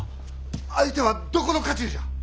相手はどこの家中じゃ！